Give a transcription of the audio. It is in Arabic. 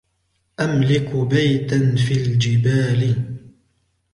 أملك بيتاً في الجبال.